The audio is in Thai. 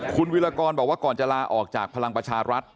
คุณวิรากรบอกว่าก่อนจะลาออกจากพลังประชารัฐ